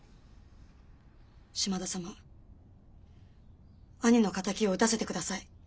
島田様兄の敵を討たせてください！